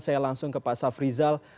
saya langsung ke pak sof rizal